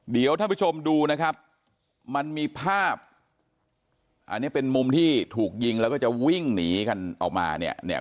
เดี๋ยวท่านผู้ชมดูนะครับมันมีภาพอันนี้เป็นมุมที่ถูกยิงแล้วก็จะวิ่งหนีกันออกมาเนี่ยเนี่ย